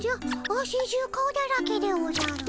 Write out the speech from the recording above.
汗中顔だらけでおじゃる。